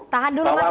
tahan dulu mas ali